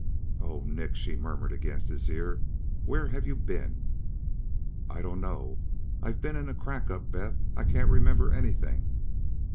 "Oh, Nick," she murmured against his ear. "Where have you been?" "I don't know. I've been in a crack up, Beth. I can't remember anything..."